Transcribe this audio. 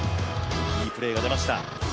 いいプレーが出ました。